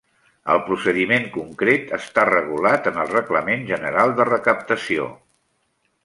El procediment concret està regulat en el Reglament general de recaptació.